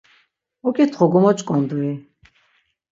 Ok̆itxu gomoç̆k̆ondui?